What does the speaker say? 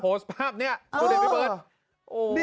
โพสต์ภาพเนี่ยตัวเด็กพี่เบิร์ด